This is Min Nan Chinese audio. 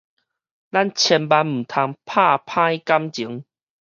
咱千萬毋通拍歹感情